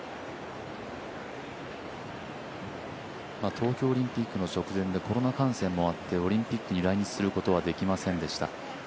東京オリンピックの直前でコロナ感染もあってオリンピックに来日することはできませんでした。